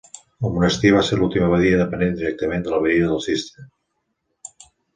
El monestir va ser l'última abadia depenent directament de l'Abadia de Cister.